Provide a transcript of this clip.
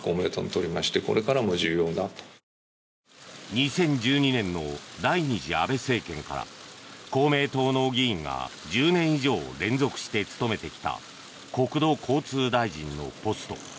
２０１２年の第２次安倍政権から公明党の議員が１０年以上連続して務めてきた国土交通大臣のポスト。